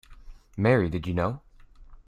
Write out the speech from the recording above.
Mary, Did You Know?